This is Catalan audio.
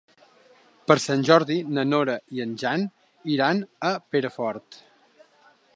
Per Sant Jordi na Nora i en Jan iran a Perafort.